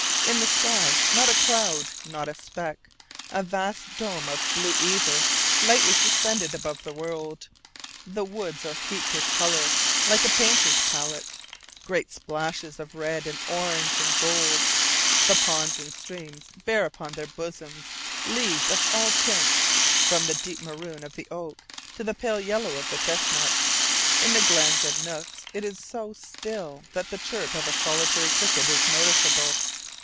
In the sky not a cloud, not a speck; a vast dome of blue ether lightly suspended above the world. The woods are heaped with color like a painter's palette, great splashes of red and orange and gold. The ponds and streams bear upon their bosoms leaves of all tints, from the deep maroon of the oak to the pale yellow of the chestnut. In the glens and nooks it is so still that the chirp of a solitary cricket is noticeable.